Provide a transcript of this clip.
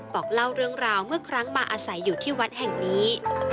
บอกเล่าเรื่องราวเมื่อครั้งมาอาศัยอยู่ที่วัดแห่งนี้